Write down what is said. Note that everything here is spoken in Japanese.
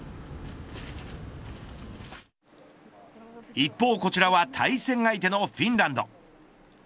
一方こちらは対戦相手のフィンランド。